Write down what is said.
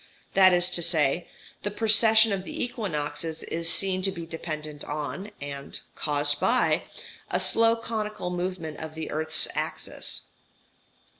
That is to say, the precession of the equinoxes is seen to be dependent on, and caused by, a slow conical movement of the earth's axis.